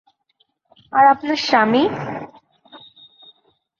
আর আপনার স্বামী?